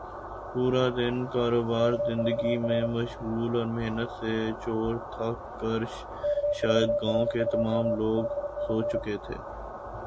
پورا دن کاروبار زندگی میں مشغول اور محنت سے چور تھک کر شاید گاؤں کے تمام لوگ سو چکے تھے